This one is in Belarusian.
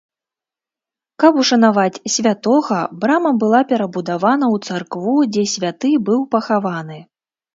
Каб ушанаваць святога, брама была перабудавана ў царкву, дзе святы быў пахаваны.